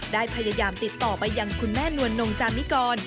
ได้พยายามติดต่อไปยังคุณแม่นวลนงจามิกร